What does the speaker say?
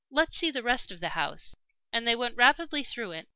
Let's see the rest of the house." And they went rapidly through it.